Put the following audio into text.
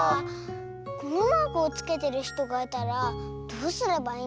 このマークをつけてるひとがいたらどうすればいいんですか？